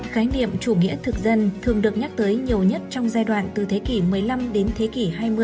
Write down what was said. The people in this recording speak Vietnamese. khái niệm chủ nghĩa thực dân thường được nhắc tới nhiều nhất trong giai đoạn từ thế kỷ một mươi năm đến thế kỷ hai mươi